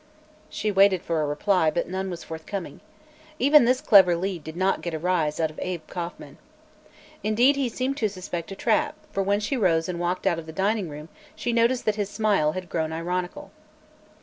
She waited for a reply, but none was forthcoming. Even this clever lead did not get a rise out of Abe Kauffman. Indeed, he seemed to suspect a trap, for when she rose and walked out of the dining room she noticed that his smile had grown ironical.